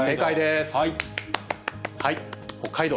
北海道。